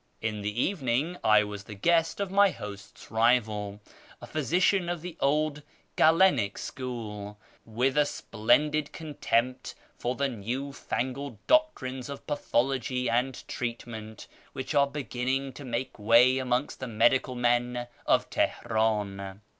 In the evening I was the guest of my host'g rival, a physician of the old Galenic school, with a splendid contempt for the new fangled doctrines of pathology and treatment which are beginning to make way amongst the medical men of Teheran.